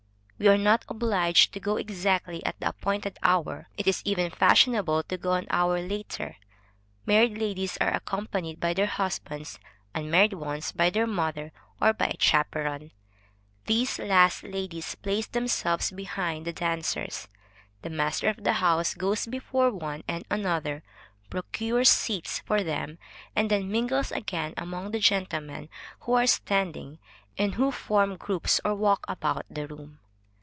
We are not obliged to go exactly at the appointed hour; it is even fashionable to go an hour later. Married ladies are accompanied by their husbands, unmarried ones, by their mother or by a chaperon. These last ladies place themselves behind the dancers; the master of the house goes before one and another, procures seats for them, and then mingles again among the gentlemen who are standing, and who form groups or walk about the room.